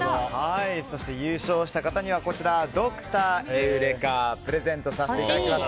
そして優勝した方にはドクターエウレカをプレゼントさせていただきます。